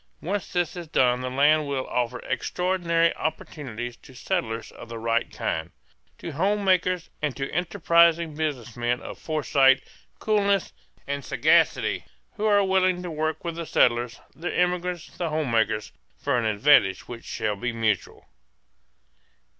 Once this is done the land will offer extraordinary opportunities to settlers of the right kind: to home makers and to enterprising business men of foresight, coolness, and sagacity who are willing to work with the settlers, the immigrants, the home makers, for an advantage which shall be mutual.